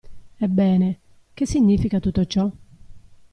Ebbene, che significa tutto ciò?